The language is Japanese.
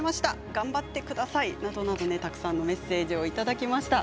頑張ってくださいなどなどたくさんのメッセージいただきました。